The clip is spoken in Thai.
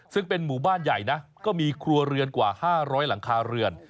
ซึ่งเป็นหมู่บ้านใหญ่นะก็มีครัวเรือนกว่า๕๐๐หลังคาเรือน